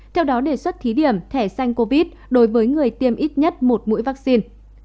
theo đó đề xuất thí điểm thẻ xanh covid đối với người tiêm ít nhất một mũi vaccine